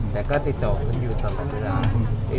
แต่ก็ติดต่อกันอยู่ตลอดเวลา